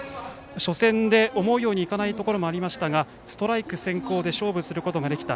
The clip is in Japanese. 初戦で思うようにいかないところもありましたがストライク先行で勝負することができた。